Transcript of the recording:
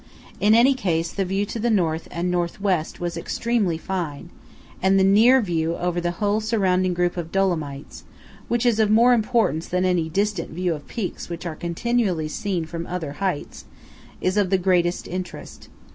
In any case, the view to the North and North West was extremely fine; and the near view over the whole surrounding group of Dolomites (which is of more importance than any distant view of peaks which are continually seen from other heights) is of the greatest interest.